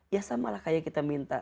ya samalah kayak kita minta